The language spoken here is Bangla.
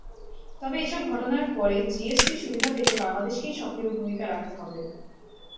তবে এসব ঘটনার পরে জিএসপি সুবিধা পেতে বাংলাদেশকেই সক্রিয় ভূমিকা রাখতে হবে।